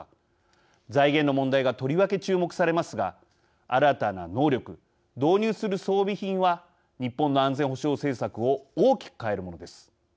財源の問題がとりわけ注目されますが新たな能力導入する装備品は日本の安全保障政策を大きく変えるものです。